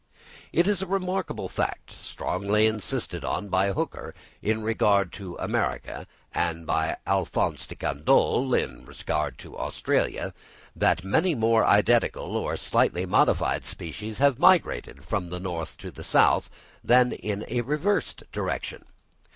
It is a remarkable fact, strongly insisted on by Hooker in regard to America, and by Alph. de Candolle in regard to Australia, that many more identical or slightly modified species have migrated from the north to the south, than in a reversed direction.